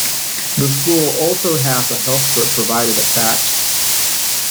The school also has a healthcare provider attached.